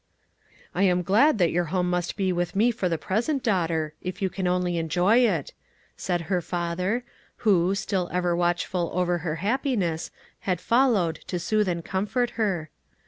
"I am glad that your home must be with me for the present, daughter, if you can only enjoy it," said her father, who, still ever watchful over her happiness, had followed to soothe and comfort her.